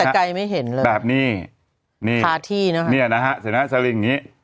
มองแต่ไกลไม่เห็นเลยแบบนี้พาที่นะครับเนี่ยนะฮะเสร็จนะฮะสลิงนี้